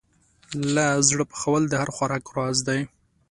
له زړه پخول د هر خوراک راز دی.